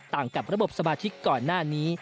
ต่างกับระบบสมาธิกก่อนหน้านี้